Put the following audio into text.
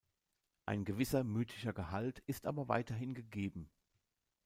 Ein gewisser mythischer Gehalt ist aber weiterhin gegeben.